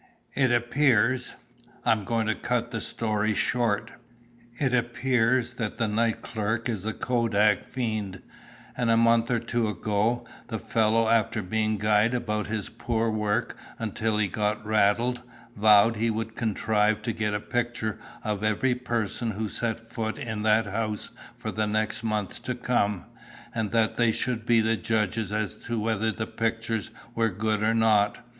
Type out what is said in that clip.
It appears I'm going to cut the story short it appears that the night clerk is a kodak fiend, and a month or two ago the fellow, after being guyed about his poor work until he got rattled, vowed he'd contrive to get a picture of every person who set foot in that house for the next month to come, and that they should be the judges as to whether the pictures were good or not.